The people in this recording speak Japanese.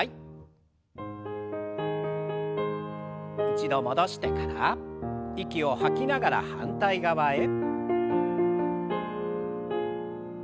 一度戻してから息を吐きながら反対側へ。